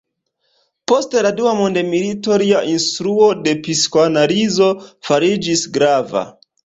Post la dua mondmilito lia instruo de psikoanalizo fariĝis grava.